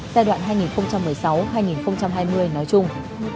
giai đoạn hai nghìn một mươi sáu hai nghìn hai mươi nói chung